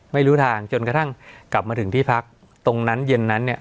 ไม่รู้ทางจนกระทั่งกลับมาถึงที่พักตรงนั้นเย็นนั้นเนี่ย